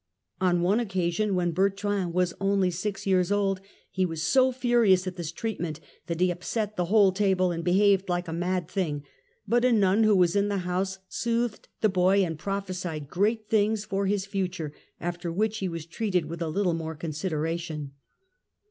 On one occasion, when Bertrand was only six years old, he was so furious at this treatment that he upset the whole table and behaved like a mad thing ; but a nun who was in the house soothed the boy and prophesied great things for his future, after which he was treated with a little more consideration.